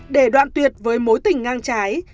để đoạn tuyệt với mối tình ngang trái